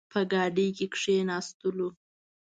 په ګاډۍ کې کښېناستلو.